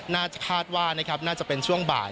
น่าจะคาดว่าน่าจะเป็นช่วงบ่าย